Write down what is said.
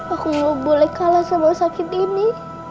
aku nggak boleh kalah sama sakit ini